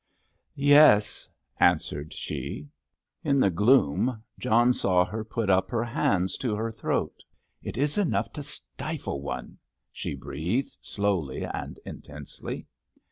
"Yes," answered she. In the gloom John saw her put up her hands to her throat. "It is enough to stifle one," she breathed, slowly and intensely.